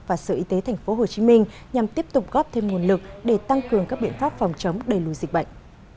và sở y tế tp hcm nhằm tiếp tục góp thêm nguồn lực để tăng cường các biện pháp phòng chống đầy lùi dịch bệnh